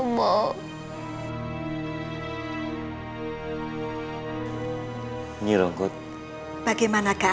baik bagi saya